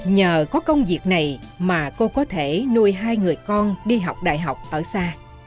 nhờ có công việc này mà cô có thể nuôi hai người con đi học đại học ở xa